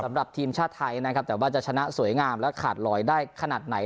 สำหรับทีมชาติไทยนะครับแต่ว่าจะชนะสวยงามและขาดลอยได้ขนาดไหน